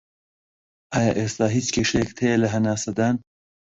ئایا ئێستا هیچ کێشەت هەیە لە هەناسەدان